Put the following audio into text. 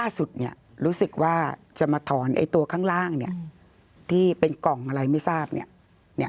สุดเนี่ยรู้สึกว่าจะมาถอนไอ้ตัวข้างล่างเนี่ยที่เป็นกล่องอะไรไม่ทราบเนี่ย